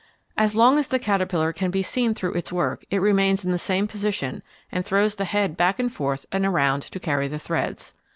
As long as the caterpillar can be seen through its work, it remains in the same position and throws the head back and around to carry the threads.